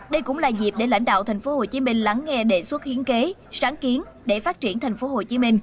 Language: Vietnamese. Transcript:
đây cũng là dịp để lãnh đạo tp hcm lắng nghe đề xuất hiến kế sáng kiến để phát triển tp hcm